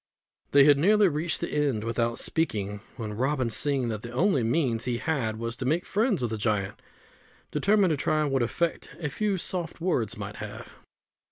They had nearly reached the end without speaking, when Robin, seeing that the only means he had was to make friends with the giant, determined to try what effect a few soft words might have.